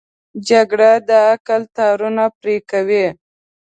جګړه د عقل تارونه پرې کوي